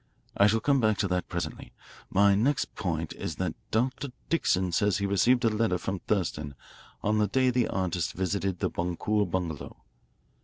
I shall come back to that presently. My next point is that Dr. Dixon says he received a letter from Thurston on the day the artist visited the Boncour bungalow.